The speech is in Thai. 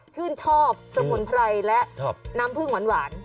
ชื่นชอบสมุนไพรและน้ำผึ้งหวาน